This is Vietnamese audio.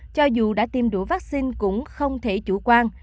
cho dù đã tiêm đủ vaccine cũng không thể chủ quan